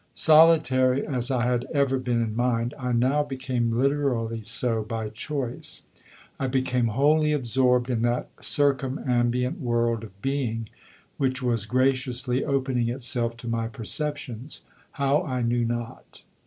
Solitary as I had ever been in mind, I now became literally so by choice. I became wholly absorbed in that circumambient world of being which was graciously opening itself to my perceptions how I knew not.